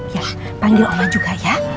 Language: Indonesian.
ya panggil oma juga ya